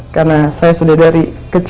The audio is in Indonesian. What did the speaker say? karena saya sudah dari